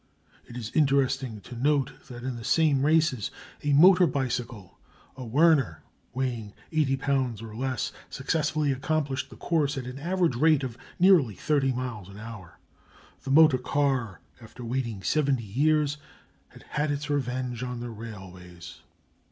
It is interesting to note that in the same races a motor bicycle, a Werner, weighing 80 lbs. or less, successfully accomplished the course at an average rate of nearly thirty miles an hour. The motor car, after waiting seventy years, had had its revenge on the railways.